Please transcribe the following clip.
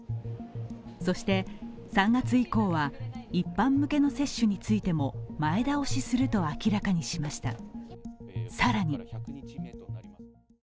そして、３月以降は一般向けの接種についても前倒しすると明らかにしました。